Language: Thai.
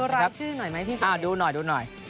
ดูรายชื่อหน่อยไหมพี่จ๋าเรย์อ่าดูหน่อย